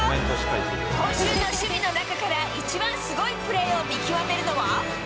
今週の守備の中から一番すごいプレーを見極めるのは？